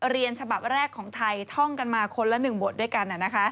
เรียนฉบับแรกของไทยท่องกันมาคนละ๑บทด้วยกัน